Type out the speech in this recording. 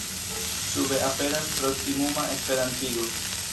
Sube aperas proksimuma Esperantigo.